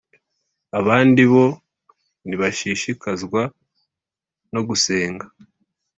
Abandi bo ntibashishikazwa no gusenga